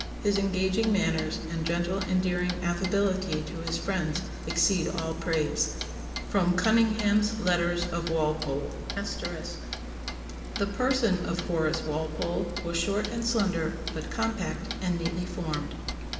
His engaging manners and gentle endearing affability to his friends exceed all praise." [Sidenote: Cunningham's Letters of Walpole. *] "The person of Horace Walpole was short and slender, but compact, and neatly formed.